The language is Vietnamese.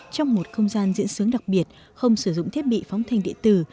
trong một không gian diễn sướng đặc biệt không sử dụng thiết bị phóng thanh địa tử